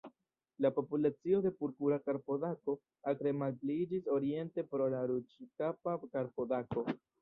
La populacio de Purpura karpodako akre malpliiĝis oriente pro la Ruĝkapa karpodako.